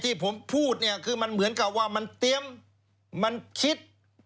ที่ผมพูดเนี่ยคือมันเหมือนกับว่ามันเตรียมมันคิด